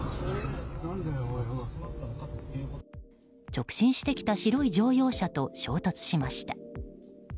直進してきた白い乗用車と衝突しました。